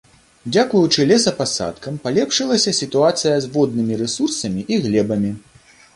Дзякуючы лесапасадкам, палепшылася сітуацыя з воднымі рэсурсамі і глебамі.